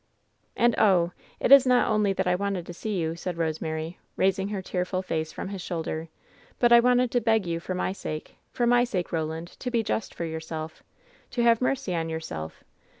"And, oh ! it is not only that I wanted to see you," said Eosemary, raising her tearful face from his shoul der, "but I wanted to beg you for my sake — for my sake, Eoland, to be just to yourself ! To have mercy on your self